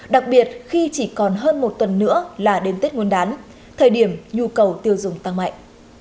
đặc biệt khi chỉ còn hơn một tuần nữa là đến tết nguyên đán thời điểm nhu cầu tiêu dùng tăng mạnh